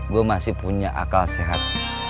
gue masih punya akal sehat